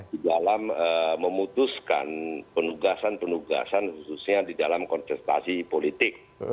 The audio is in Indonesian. di dalam memutuskan penugasan penugasan khususnya di dalam kontestasi politik